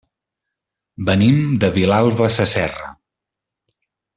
Venim de Vilalba Sasserra.